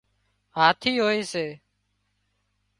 هاٿِي هوئي سي